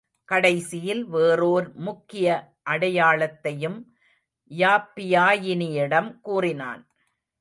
கடைசியில் வேறோர் முக்கிய அடையாளத்தையும் யாப்பியாயினியிடம் கூறினான்.